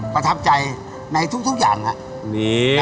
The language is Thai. ประทับใจในทุกอย่างครับ